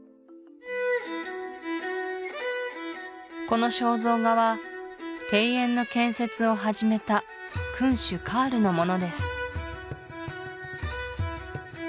この肖像画は庭園の建設を始めた君主カールのものです